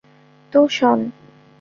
তো, শন।